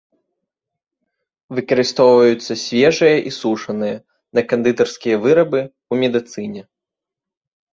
Выкарыстоўваюцца свежыя і сушаныя, на кандытарскія вырабы, у медыцыне.